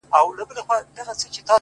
o د شپې نيمي كي ـ